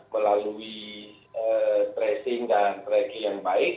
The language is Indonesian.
melalui tracing dan tracking yang baik